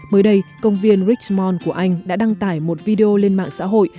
mới đây công viên richmond của anh đã đăng tải một video lên mạng xã hội